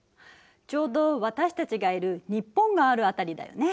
ちょうど私たちがいる日本がある辺りだよね。